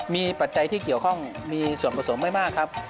มีปัจจัยที่เกี่ยวข้องมีส่วนผสมไม่มากครับ